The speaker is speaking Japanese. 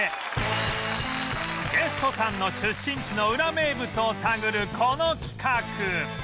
ゲストさんの出身地のウラ名物を探るこの企画